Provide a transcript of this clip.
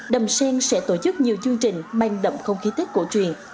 đầm sen sẽ tổ chức nhiều chương trình mang đậm không khí tết cổ truyền